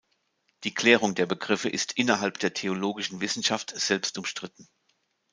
Die Klärung der Begriffe ist innerhalb der theologischen Wissenschaft selbst umstritten.